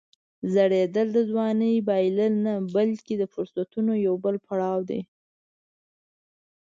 زوړېدل د ځوانۍ بایلل نه، بلکې د فرصتونو یو بل پړاو دی.